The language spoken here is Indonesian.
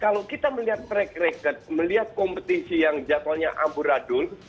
kalau kita melihat track record melihat kompetisi yang jadwalnya abur adul